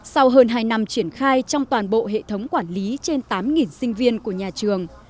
sau hơn hai năm triển khai trong toàn bộ hệ thống quản lý trên tám sinh viên của nhà trường